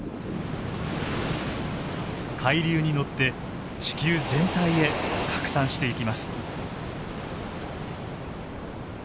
海流に乗って地球全体へ拡散していきます。